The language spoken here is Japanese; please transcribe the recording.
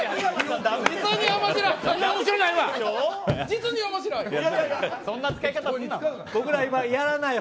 実に面白い。